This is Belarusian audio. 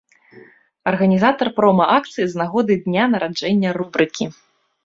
Арганізатар прома-акцыі з нагоды дня нараджэння рубрыкі.